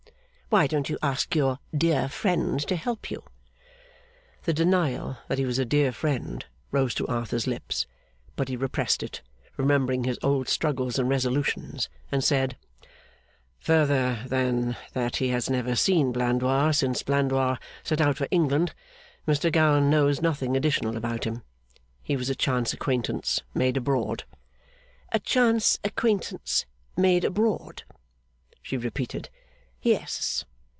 Why don't you ask your dear friend to help you?' The denial that he was a dear friend rose to Arthur's lips; but he repressed it, remembering his old struggles and resolutions, and said: 'Further than that he has never seen Blandois since Blandois set out for England, Mr Gowan knows nothing additional about him. He was a chance acquaintance, made abroad.' 'A chance acquaintance made abroad!' she repeated. 'Yes.